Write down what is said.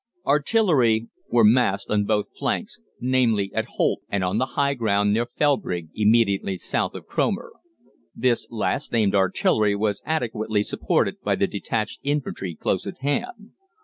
] Artillery were massed on both flanks, namely, at Holt and on the high ground near Felbrigg, immediately south of Cromer. This last named artillery was adequately supported by the detached infantry close at hand.